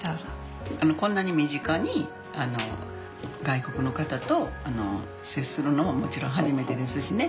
こんなに身近に外国の方と接するのももちろん初めてですしね。